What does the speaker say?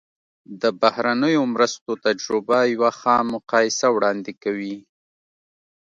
د بهرنیو مرستو تجربه یوه ښه مقایسه وړاندې کوي.